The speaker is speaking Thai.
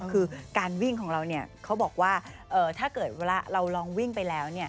คือการวิ่งของเราเขาบอกว่าถ้าเกิดเวลาเราลองวิ่งไปแล้ว